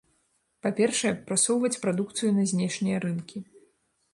Па-першае, прасоўваць прадукцыю на знешнія рынкі.